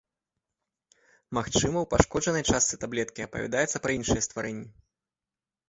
Магчыма, у пашкоджанай частцы таблеткі апавядаецца пра іншыя стварэнні.